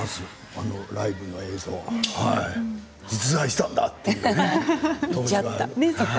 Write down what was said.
あのライブの映像実在したんだって。